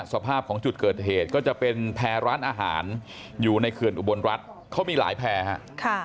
สภาพของจุดเกิดเหตุก็จะเป็นแพร่ร้านอาหารอยู่ในเขื่อนอุบลรัฐเขามีหลายแพร่ครับ